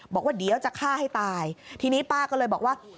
บอกว่าเดี๋ยวจะฆ่าให้ตายทีนี้ป้าก็เลยบอกว่า